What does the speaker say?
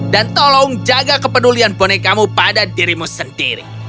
dan tolong jaga kepedulian bonekamu pada dirimu sendiri